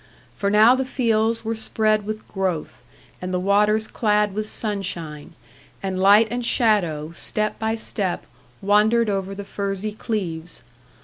For now the fields were spread with growth, and the waters clad with sunshine, and light and shadow, step by step, wandered over the furzy cleves.